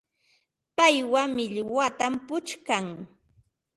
Payqa millwatam puchkan.